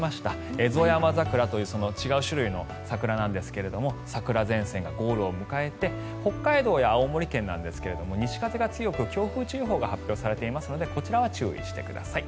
エゾヤマザクラという違う種類の桜なんですが桜前線がゴールを迎えて北海道や青森県ですが西風が強く強風注意報が発表されていますのでこちらは注意してください。